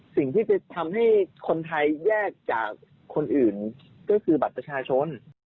สิ่งที่จะทำให้คนไทยแยกจากคนอื่นก็คือบัตรประชาชน